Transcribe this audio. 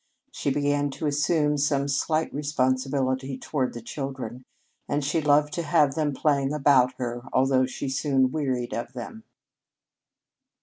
She began to assume some slight responsibility toward the children, and she loved to have them playing about her, although she soon wearied of them.